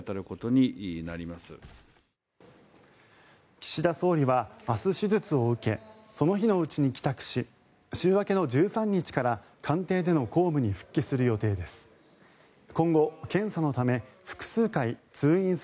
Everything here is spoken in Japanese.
岸田総理は明日、手術を受けその日のうちに帰宅し週明けの１３日から官邸での公務に復帰する予定です。